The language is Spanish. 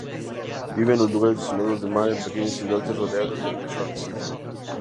Vive en los lugares desolados del mar, en pequeños islotes rodeados de mucho arrecife.